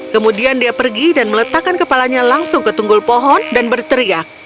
kemudian dia pergi dan meletakkan kepalanya langsung ke tunggul pohon dan berteriak